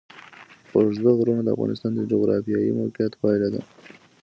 اوږده غرونه د افغانستان د جغرافیایي موقیعت پایله ده.